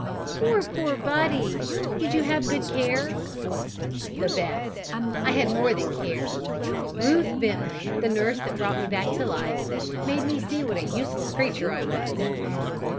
"Poor, poor Buddy! Did you have good care?" "The best. I had more than care. Ruth Bentley, the nurse that brought me back to life, made me see what a useless creature I was."